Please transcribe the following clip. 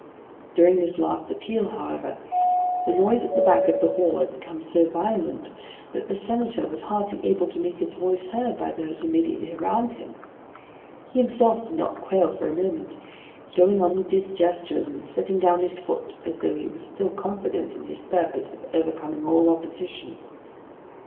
During this last appeal, however, the noise at the back of the hall had become so violent, that the Senator was hardly able to make his voice heard by those immediately around him. He himself did not quail for a moment, going on with his gestures, and setting down his foot as though he were still confident in his purpose of overcoming all opposition.